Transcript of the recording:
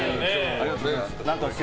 ありがとうございます。